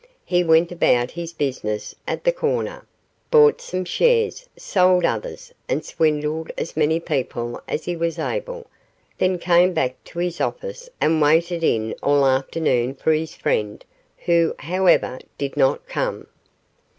He went about his business at 'The Corner', bought some shares, sold others, and swindled as many people as he was able, then came back to his office and waited in all the afternoon for his friend, who, however, did not come.